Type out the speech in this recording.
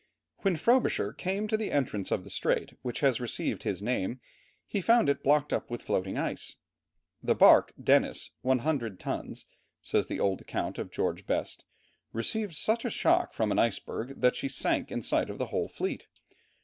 When Frobisher came to the entrance of the strait which has received his name, he found it blocked up with floating ice. "The barque Dennis, 100 tons," says the old account of George Best, "received such a shock from an iceberg that she sank in sight of the whole fleet.